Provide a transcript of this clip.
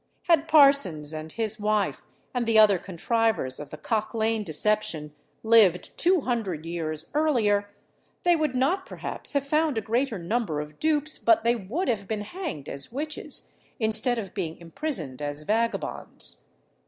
Had Parsons and his wife, and the other contrivers of the Cock Lane deception, lived two hundred years earlier, they would not perhaps have found a greater number of dupes, but they would have been hanged as witches, instead of being imprisoned as vagabonds.